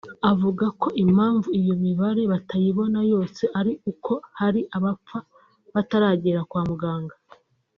Avuga ko impamvu iyo mibare batayibona yose ari uko hari abapfa bataragera kwa muganga